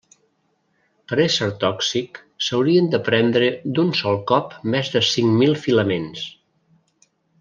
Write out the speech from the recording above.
Per a ésser tòxic s'haurien de prendre d'un sol cop més de cinc mil filaments.